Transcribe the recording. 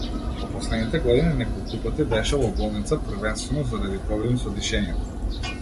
Во последните години неколку пати беше во болница, првенствено заради проблеми со дишењето.